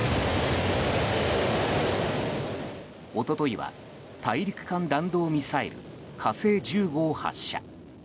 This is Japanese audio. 一昨日は大陸間弾道ミサイル「火星１５」を発射。